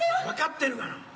分かってるがな。